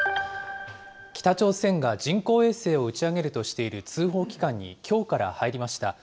北朝鮮が人工衛星を打ち上げるとしている通報期間にきょうから入りました。